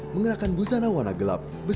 mengenakan busana warna gelap